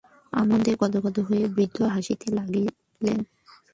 আনন্দে গদগদ হইয়া বৃদ্ধ হাসিতে লাগিলেন।